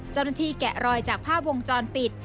เจ้าหน้าที่แกะรอยจากผ้าวงจรปิด